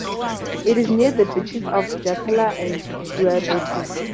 It is near the beaches of Chacala and Guayabitos.